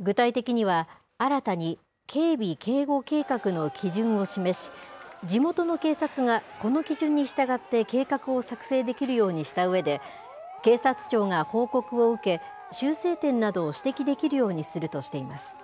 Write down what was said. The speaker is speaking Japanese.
具体的には、新たに警備・警護計画の基準を示し、地元の警察がこの基準に従って計画を作成できるようにしたうえで、警察庁が報告を受け、修正点などを指摘できるようにするとしています。